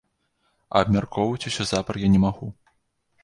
А абмяркоўваць усё запар я не магу.